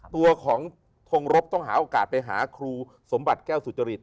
ตัวของทงรบต้องหาโอกาสไปหาครูสมบัติแก้วสุจริต